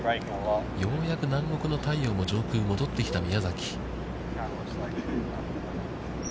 ようやく南国の太陽も上空に戻ってきた宮崎。